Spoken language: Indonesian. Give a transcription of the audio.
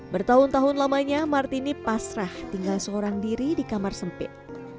bertahun tahun lamanya martini pasrah tinggal seorang diri di kamar sempit